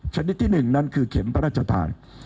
ชนิดที่๑นั้นคือเข็มพระราชทาน